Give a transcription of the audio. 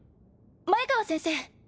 前川先生！